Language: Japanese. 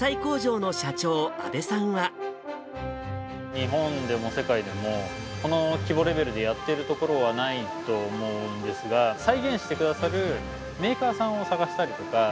日本でも世界でも、この規模レベルでやってる所はないと思うんですが、再現してくださるメーカーさんを探したりとか。